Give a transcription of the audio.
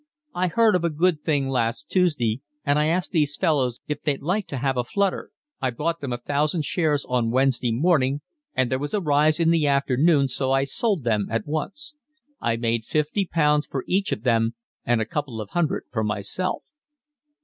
I heard of a good thing last Tuesday, and I asked these fellows if they'd like to have a flutter, I bought them a thousand shares on Wednesday morning, and there was a rise in the afternoon so I sold them at once. I made fifty pounds for each of them and a couple of hundred for myself."